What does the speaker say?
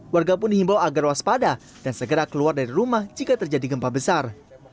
warga pun dihimbau agar waspada dan segera keluar dari rumah jika terjadi gempa besar